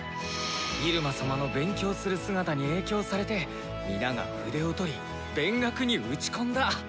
入間様の勉強する姿に影響されて皆が筆をとり勉学に打ち込んだ。